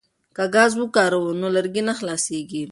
که ګاز وکاروو نو لرګي نه خلاصیږي.